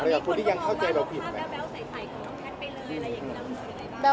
มีคนที่ยังเข้าใจเราผิดอะไร